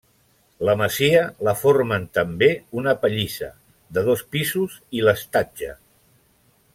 La masia la formen també una pallissa, de dos pisos, i l'estatge.